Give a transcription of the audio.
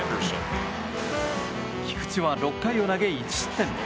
菊池は６回を投げ１失点。